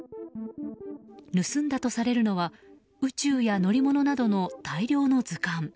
盗んだとされるのは宇宙や乗り物のなどの大量の図鑑。